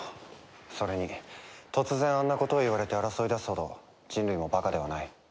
それに突然あんなことを言われて争い出すほど人類もバカではない。